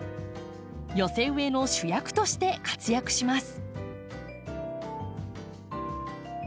寄せ植えの主役として活躍します。